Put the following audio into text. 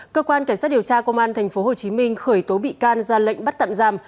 cơ quan cảnh sát điều tra công an tp hcm khởi tố bị can ra lệnh bắt tạm giam